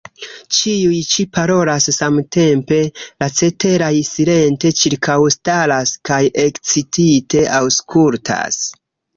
Ĉiuj ĉi parolas samtempe; la ceteraj silente ĉirkaŭstaras, kaj ekscitite aŭskultas.